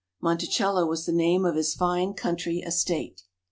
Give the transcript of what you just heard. Monticello was the name of his fine country estate.